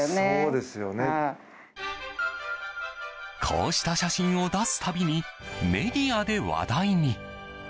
こうした写真を出す度にメディアで話題に。